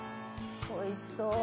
おいしそう。